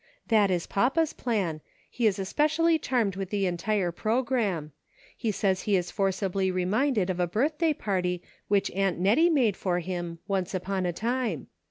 That is papa's plan ; he is especially charmed with the entire programme. He says he is forcibly reminded of a birthday party which aunt Nettie made for him, once upon a time.